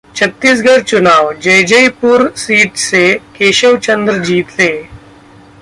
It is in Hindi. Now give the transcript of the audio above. छत्तीसगढ़ चुनाव: जैजैपुर सीट से केशवचंद्र जीते